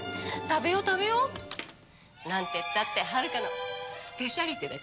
食べよ食べよ。なんていったってはるかのスペシャリテだからね。